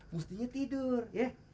mestinya tidur ya